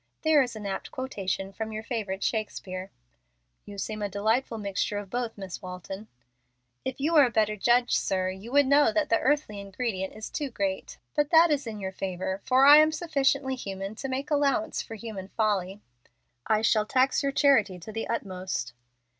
There is an apt quotation from your favorite Shakespeare." "You seem a delightful mixture of both, Miss Walton." "If you were a better judge, sir, you would know that the earthly ingredient is too great. But that is in your favor, for I am sufficiently human to make allowance for human folly." "I shall tax your charity to the utmost."